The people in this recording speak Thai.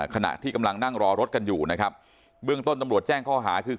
ขณะที่กำลังนั่งรอรถกันอยู่นะครับเบื้องต้นตำรวจแจ้งข้อหาคือ